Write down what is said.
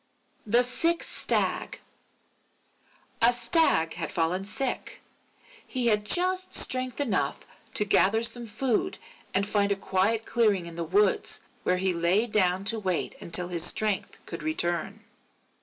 _ THE SICK STAG A Stag had fallen sick. He had just strength enough to gather some food and find a quiet clearing in the woods, where he lay down to wait until his strength should return.